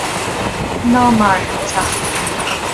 Ná maraigh an teachtaire